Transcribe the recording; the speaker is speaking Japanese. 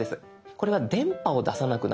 これは電波を出さなくなるんです。